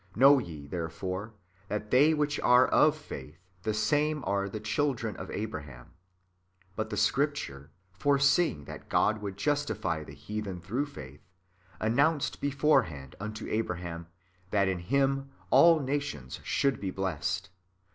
Know ye therefore, that they which are of faith, the same are the children of Abraham. But the Scripture, foreseeing that God would justify the heathen ^irough faith, announced beforehand unto Abraham, that in him all nations should be blessed.